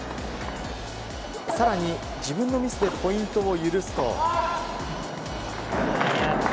更に、自分のミスでポイントを許すと。